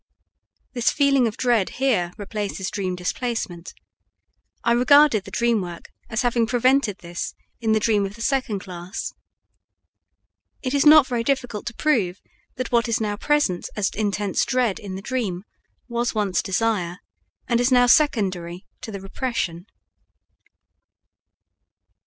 This feeling of dread here replaces dream displacement; I regarded the dream work as having prevented this in the dream of the second class. It is not very difficult to prove that what is now present as intense dread in the dream was once desire, and is now secondary to the repression.